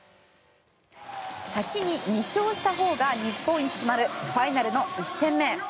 先に２勝したほうが日本一となるファイナルの１戦目。